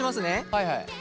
はいはい。